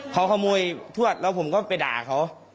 เขาขโมยทวดแล้วผมก็ไปด่าเขา